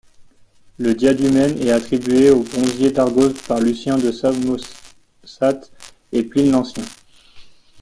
Le Diadumène est attribué au bronzier d'Argos par Lucien de Samosate et Pline l'Ancien.